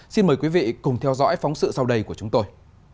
xin mời quý vị cùng theo dõi phóng sự sau đây của chúng tôi